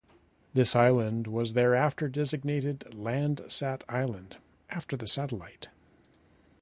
This island was thereafter designated Landsat Island after the satellite.